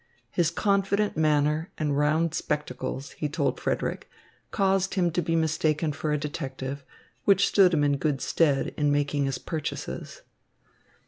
His confident manner and round spectacles, he told Frederick, caused him to be mistaken for a detective; which stood him in good stead in making his purchases.